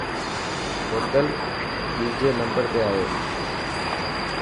بوتل ٻيجي نمبر تي آيو.